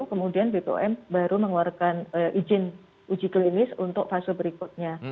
kemudian bpom baru mengeluarkan izin uji klinis untuk fase berikutnya